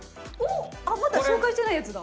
・まだ紹介してないやつだ。